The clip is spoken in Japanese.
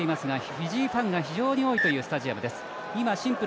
フィジーファンが非常に多いというスタジアムです。